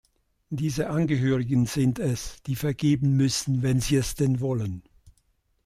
Diese Angehörigen sind es, die vergeben müssen, wenn sie es denn wollen.